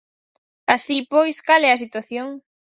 Así pois, ¿cal é a situación?